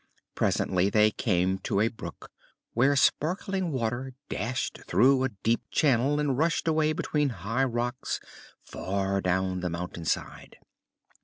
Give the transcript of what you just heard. Presently they came to a brook where sparkling water dashed through a deep channel and rushed away between high rocks far down the mountain side.